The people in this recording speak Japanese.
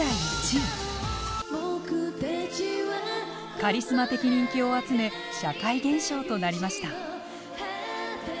カリスマ的人気を集め社会現象となりました。